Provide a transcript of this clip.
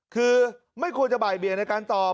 คือไม่ควรจะบ่ายเบียงในการตอบ